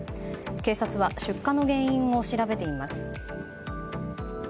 警察は出火の原因を調べています。